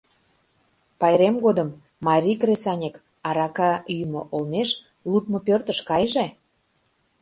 Пайрем годым марий кресаньык арака йӱмӧ олмеш лудмо пӧртыш кайыже.